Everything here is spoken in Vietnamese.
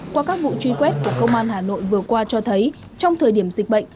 qua các vụ truy quét của công an hà nội vừa qua cho thấy trong thời điểm dịch bệnh